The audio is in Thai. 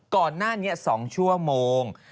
ก่อนหน้านี้๒ชั่วโมง